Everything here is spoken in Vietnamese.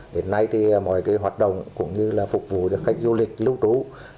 đến nay mọi hoạt động cũng như phục vụ cho khách du lịch lưu trú